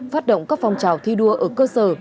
phát động các phong trào thi đua ở cơ sở